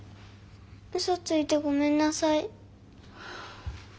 うそついてごめんなさい。